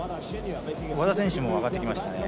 和田選手も上がってきましたね。